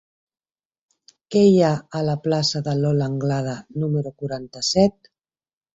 Què hi ha a la plaça de Lola Anglada número quaranta-set?